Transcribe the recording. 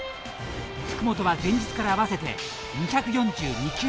福本は前日から合わせて２４２球目でした。